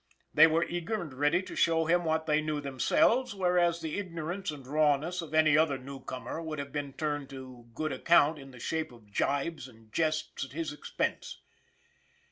They were eager and ready to show him what they knew themselves, whereas the ignorance and rawness of any other newcomer would have been turned to good account in the shape of gibes and jests at his expense.